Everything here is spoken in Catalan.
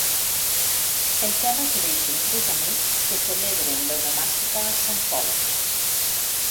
El terra que deixen tres amics que celebren l'onomàstica a Sant Pol.